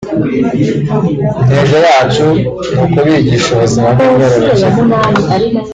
Intego yacu ni ukubigisha ubuzima bw’imyororokere